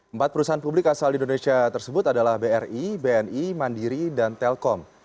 empat perusahaan publik asal indonesia tersebut adalah bri bni mandiri dan telkom